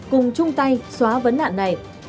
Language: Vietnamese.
cùng chung tay xóa vấn đạn này